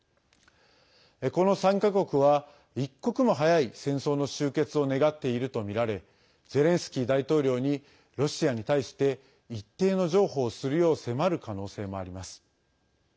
この３か国は、一刻も早い戦争の終結を願っているとみられゼレンスキー大統領にロシアに対して一定の譲歩をするよう迫る可能性もあります。